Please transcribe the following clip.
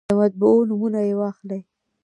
د مطبعو نومونه یې واخلئ.